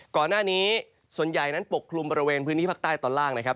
ก่อนหน้านี้ส่วนใหญ่นั้นปกคลุมบริเวณพื้นที่ภาคใต้ตอนล่างนะครับ